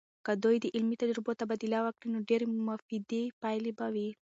که دوی د علمي تجربو تبادله وکړي، نو ډیرې مفیدې پایلې به وي.